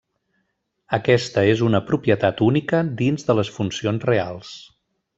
Aquesta és una propietat única dins de les funcions reals.